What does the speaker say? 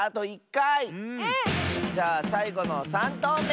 じゃあさいごの３とうめ！